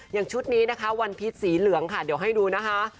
ชุดนี้นะคะวันพิษสีเหลืองค่ะเดี๋ยวให้ดูนะคะ